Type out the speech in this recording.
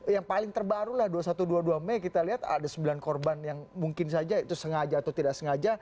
yang paling terbaru lah dua puluh satu dua puluh dua mei kita lihat ada sembilan korban yang mungkin saja itu sengaja atau tidak sengaja